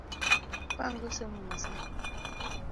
Apango somo masani